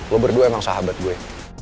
lo berdua emang sahabat gue